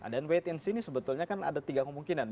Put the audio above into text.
dan wait and see ini sebetulnya kan ada tiga kemungkinan